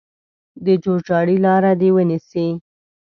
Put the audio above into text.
د جوړجاړي لاره دې ونیسي.